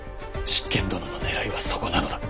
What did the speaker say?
執権殿のねらいはそこなのだ。